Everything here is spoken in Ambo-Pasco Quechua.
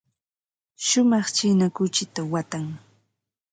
Shumaq china kuchita watan.